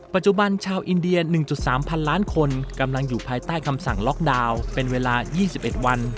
ปัจจุบันชาวอินเดีย๑๓๐๐๐ล้านคนกำลังอยู่ภายใต้คำสั่งล็อกดาวน์เป็นเวลา๒๑วัน